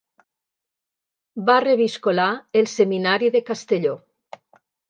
Va reviscolar el Seminari de Castelló.